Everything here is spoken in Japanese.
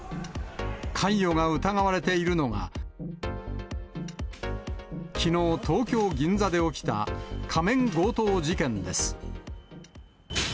関与が疑われているのが、きのう、東京・銀座で起きた仮面強盗事件です。